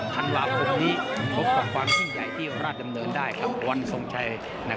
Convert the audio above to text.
๒๑ธันวาคมนี้